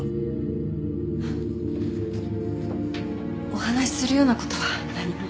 お話しするような事は何も。